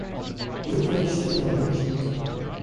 He preached to the northern kingdom.